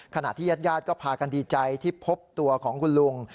ขณะที่ญาติญาติก็พากันดีใจที่พบตัวของคุณลุง